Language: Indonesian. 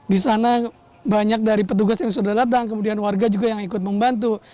di sana banyak dari petugas yang sudah datang kemudian warga juga yang ikut membantu